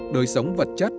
đời sống vật chất